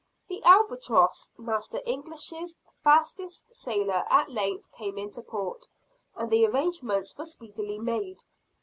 The "Albatross," Master English's fastest sailer at length came into port; and the arrangements were speedily made.